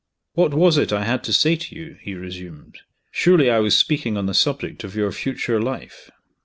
"What was it I had to say to you?" he resumed "Surely, I was speaking on the subject of your future life?"